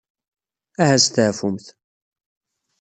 Aha steɛfumt.